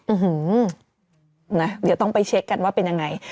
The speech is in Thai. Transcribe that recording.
อื้อหื้อน่ะเดี๋ยวต้องไปเช็คกันว่าเป็นยังไง